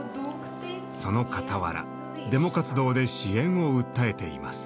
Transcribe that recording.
そのかたわらデモ活動で支援を訴えています。